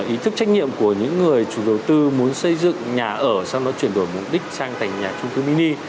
ý thức trách nhiệm của những người chủ đầu tư muốn xây dựng nhà ở sau đó chuyển đổi mục đích sang thành nhà trung cư mini